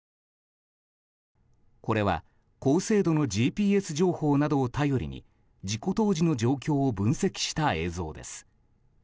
これは、高精度のＧＰＳ情報などを頼りに事故当時の状況を分析した映像です。